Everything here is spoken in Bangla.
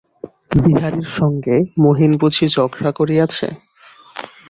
বিহারীর সঙ্গে মহিন বুঝি ঝগড়া করিয়াছে?